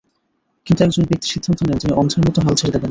কিন্তু একজন ব্যক্তি সিদ্ধান্ত নেন, তিনি অন্ধের মতো হাল ছেড়ে দেবেন না।